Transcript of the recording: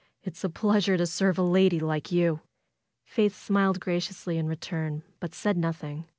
"It's a pleasure to serve a lady like you." Faith smiled graciously in return, but said nothing.